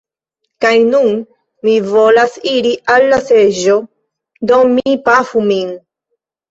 Kaj nun mi volas iri al la seĝo, do mi pafu min.